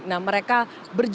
nah mereka berjejer